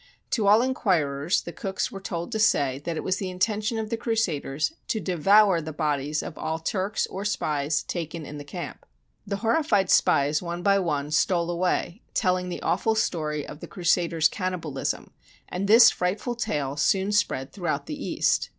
To all inquirers the cooks were told to say that it was the intention of the Crusaders to devour the bodies of all Turks or spies taken in the camp. The horrified spies one by one stole away, telling the awful story of the Cru saders' cannibalism, and this frightful tale soon spread throughout the East.